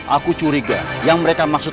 aku curiga yang mereka maksud